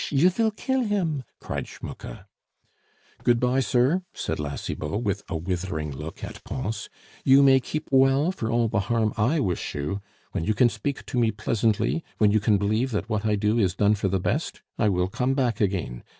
you vill kill him!" cried Schmucke. "Good bye, sir," said La Cibot, with a withering look at Pons. "You may keep well for all the harm I wish you. When you can speak to me pleasantly, when you can believe that what I do is done for the best, I will come back again.